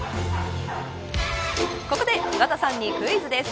ここで岩田さんにクイズです。